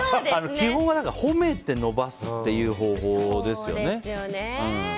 基本は褒めて伸ばすっていう方法ですよね。